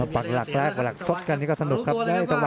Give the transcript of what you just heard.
ปากหลักสดกันที่ก็สนุกครับได้ตะวันก็ทำดี